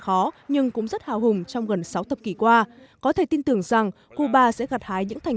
khó nhưng cũng rất hào hùng trong gần sáu thập kỷ qua có thể tin tưởng rằng cuba sẽ gặt hái những thành